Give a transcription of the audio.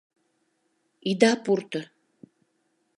Ида пурто!